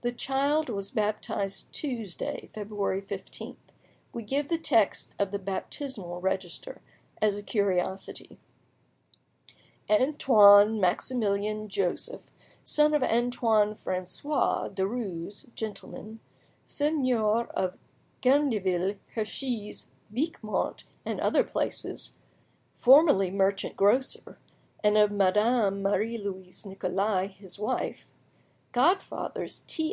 The child was baptized Tuesday, February 15th. We give the text of the baptismal register, as a curiosity:— "Antoine Maximilian Joseph, son of Antoine Francois Derues, gentleman, seigneur of Gendeville, Herchies, Viquemont, and other places, formerly merchant grocer; and of Madame Marie Louise Nicolais, his wife. Godfathers, T.